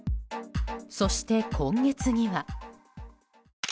そして今月には。